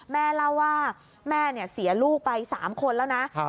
แม่เล่าว่าแม่เสียลูกไป๓คนแล้วนะ